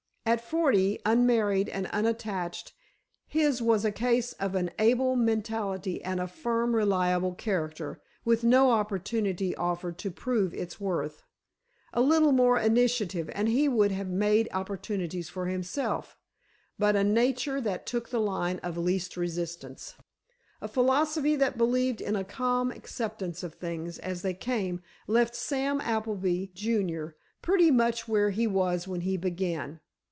At forty, unmarried and unattached, his was a case of an able mentality and a firm, reliable character, with no opportunity offered to prove its worth. A little more initiative and he would have made opportunities for himself; but a nature that took the line of least resistance, a philosophy that believed in a calm acceptance of things as they came, left Samuel Appleby, junior, pretty much where he was when he began.